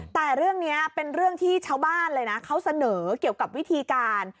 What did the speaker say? แต่เรื่องนี้เป็นเรื่องที่ชาวบ้านเลยนะเขาเสนอเกี่ยวกับวิธีการ